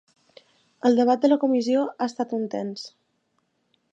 El debat a la comissió ha estat tens.